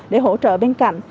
để hỗ trợ bên cạnh